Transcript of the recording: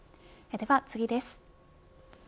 では次です。